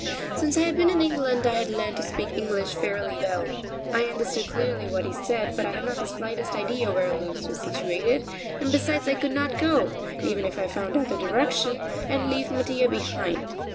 Since I had been in England I had learned to speak English fairly well. I understood clearly what he said, but I had not the slightest idea where Lewes was situated, and besides I could not go, even if I found out the direction, and leave Mattia behind.